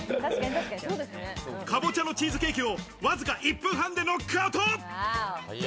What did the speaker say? カボチャのチーズケーキを、わずか１分半でノックアウト。